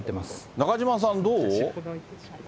中島さん、どう？